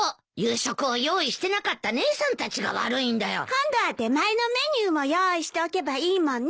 今度は出前のメニューも用意しておけばいいもんね。